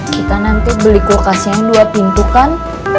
kita nanti beli kulkasnya dua pintu kan